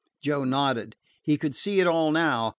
Joe nodded. He could see it all now.